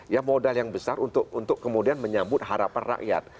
ya modal yang besar untuk kemudian menyambut harapan rakyat